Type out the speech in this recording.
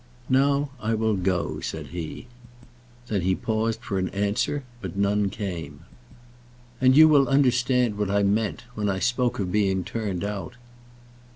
"Now I will go," said he. Then he paused for an answer, but none came. "And you will understand what I meant when I spoke of being turned out."